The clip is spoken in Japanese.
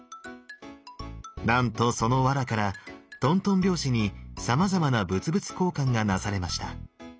なんとそのわらからとんとん拍子にさまざまな物々交換がなされました。